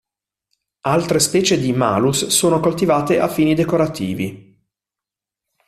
Altre specie di "Malus" sono coltivate a fini decorativi.